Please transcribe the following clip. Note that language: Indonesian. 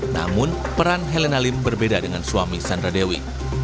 namun peran helena lim berbeda dengan suami sandra dewi